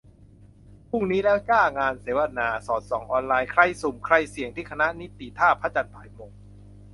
พรุ่งนี้แล้วจ้า งานเสวนา 'สอดส่องออนไลน์ : ใครสุ่ม ใครเสี่ยง ?' ที่คณะนิติ ท่าพระจันทร์ บ่ายโมง